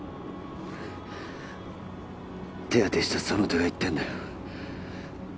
手当てしたその手が言ってんだよ